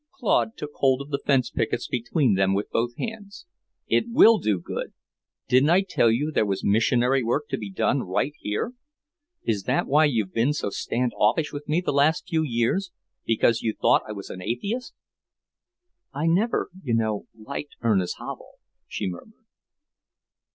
Claude took hold of the fence pickets between them with both hands. "It will do good! Didn't I tell you there was missionary work to be done right here? Is that why you've been so stand offish with me the last few years, because you thought I was an atheist?" "I never, you know, liked Ernest Havel," she murmured.